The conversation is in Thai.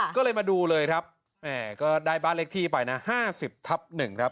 ก็เลยมาดูเลยครับก็ได้บ้านเลขที่ไปนะ๕๐ทับ๑ครับ